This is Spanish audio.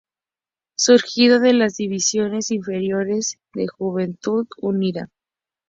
Surgido de las divisiones inferiores de Juventud Unida.